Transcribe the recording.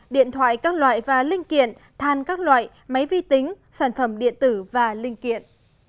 điện thoại các loại và linh kiện than các loại máy vi tính sản phẩm điện tử và linh kiện